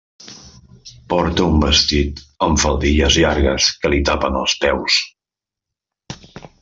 Porta un vestit amb faldilles llargues que li tapen els peus.